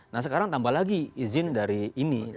nah sekarang tambah lagi izin dari ini